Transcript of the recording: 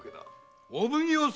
お奉行様！